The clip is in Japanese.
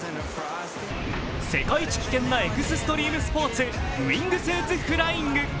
世界一危険なエクスストリームスポーツ、ウイングスーツフライング。